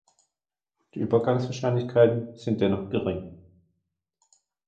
Die Übergangswahrscheinlichkeiten sind dennoch gering.